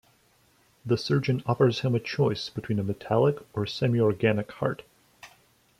The surgeon offers him a choice between a metallic or semi-organic heart.